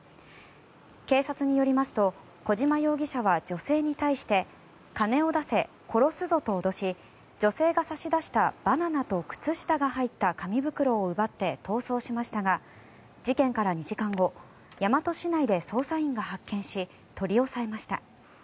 警察によりますと小島容疑者は女性に対して金を出せ、殺すぞと脅し女性が差し出したバナナと靴下が入った紙袋を奪って逃走しましたが事件から２時間後大和市内で捜査員が発見し取り押さえました。